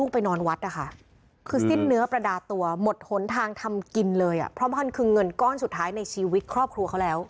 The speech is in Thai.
ไปนอนวัดนะคะคือสิ้นเนื้อประดาตัวหมดหนทางทำกินเลยอ่ะเพราะมันคือเงินก้อนสุดท้ายในชีวิตครอบครัวเขาแล้ว